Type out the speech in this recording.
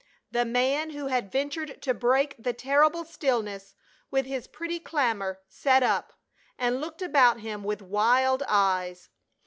The man who had ventured to break the terrible stillness with his petty clamor sat up and looked about him with wild eyes.